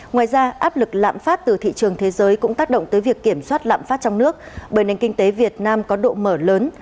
ngoài ra áp lực lạm phát từ thị trường thế giới cũng tác động tới việc kiểm soát lạm phát trong nước bởi nền kinh tế việt nam có độ mở lớn